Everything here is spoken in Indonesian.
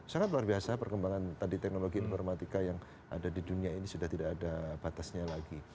sangat luar biasa perkembangan tadi teknologi informatika yang ada di dunia ini sudah tidak ada batasnya lagi